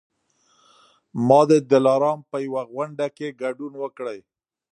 ما د دلارام په یوه غونډه کي ګډون وکړی